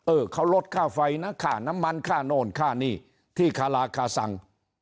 เออเขาลดค่าไฟนะค่าน้ำมันค่าโน่นค่านี่ที่คาราคาซัง